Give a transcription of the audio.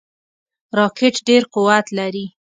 راکټ ډیر قوت لري